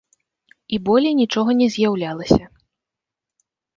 І болей нічога не з'яўлялася.